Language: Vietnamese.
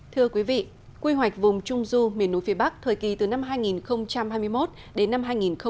thưa quý vị quy hoạch vùng trung du miền núi phía bắc thời kỳ từ năm hai nghìn hai mươi một đến năm hai nghìn ba mươi